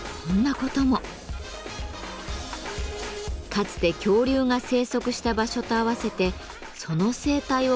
かつて恐竜が生息した場所と合わせてその生態を学ぶこともできます。